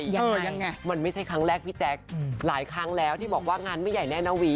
ยังไงมันไม่ใช่ครั้งแรกพี่แจ๊คหลายครั้งแล้วที่บอกว่างานไม่ใหญ่แน่นะวี